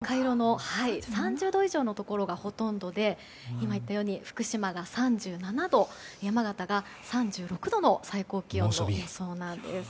気温を見ても赤色の３０度以上のところがほとんどで今言ったように、福島が３７度山形が３６度の最高気温の予想なんです。